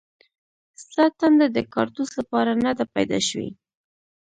ستا ټنډه د کاړتوس لپاره نه ده پیدا شوې